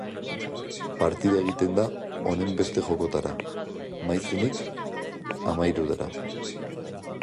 Partida egiten da honenbeste jokotara; maizenik hamahirutara.